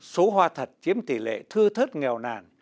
số hoa thật chiếm tỷ lệ thư thớt nghèo nàn